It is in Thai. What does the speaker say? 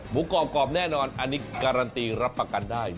กรอบกรอบแน่นอนอันนี้การันตีรับประกันได้